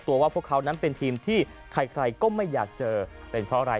ว่าพวกเขานั้นเป็นทีมที่ใครก็ไม่อยากเจอเป็นเพราะอะไร